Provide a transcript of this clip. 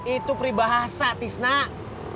itu pribahasa tis nak